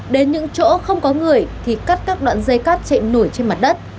đến những chỗ không có người thì cắt các đoạn dây cắt chạy nổi trên mặt đất